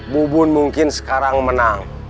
bubun mungkin sekarang menang